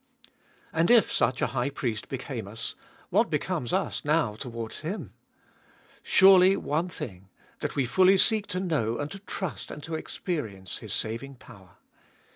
And if such a High Priest became us, what becomes us now towards Him ? Surely one thing, that we fully seek to know and to trust and to experience His saving power.